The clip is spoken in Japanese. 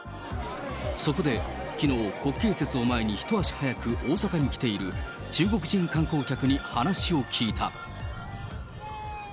そこで、きのう、国慶節を前に一足早く大阪に来ている、中国人観光客に話を聞いた。